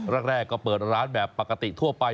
แรกก็เปิดร้านแบบปกติทั่วไป